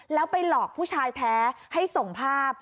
แล้วไปหลอกผู้ชายแท้ให้ส่งภาพ